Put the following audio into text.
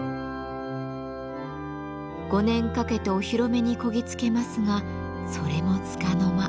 ５年かけてお披露目にこぎ着けますがそれもつかの間。